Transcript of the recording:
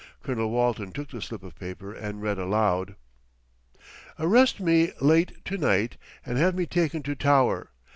Colonel Walton took the slip of paper and read aloud. "Arrest me late to night and have me taken to Tower.